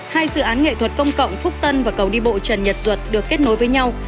hai dự án nghệ thuật công cộng phúc tân và cầu đi bộ trần nhật duật được kết nối với nhau